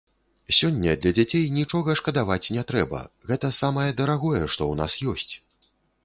Сёння для дзяцей нічога шкадаваць не трэба, гэта самае дарагое, што ў нас ёсць.